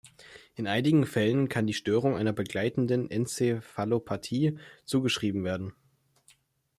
In einigen Fällen kann die Störung einer begleitenden Enzephalopathie zugeschrieben werden.